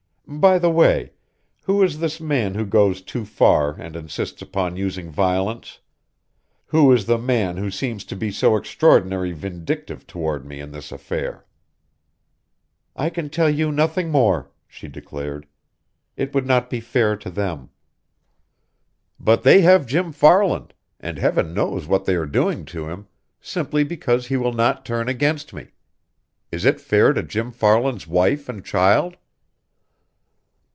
"By the way, who is this man who goes too far and insists upon using violence? Who is the man who seems to be so extraordinary vindictive toward me in this affair?" "I can tell you nothing more," she declared. "It would not be fair to them." "But they have Jim Farland, and Heaven knows what they are doing to him, simply because he will not turn against me. Is it fair to Jim Farland's wife and child?"